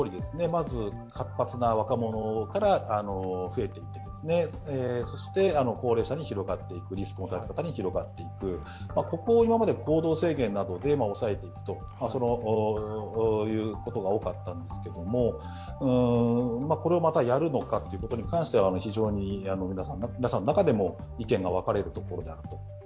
まず、活発な若者から増えていってそして高齢者に広がっていくリスクの高い人に広がっていく、ここを今まで行動制限などで抑えていくということが多かったんですけれども、これをまたやるのかということに関しては非常に皆さんの中でも意見が分かれるところであると。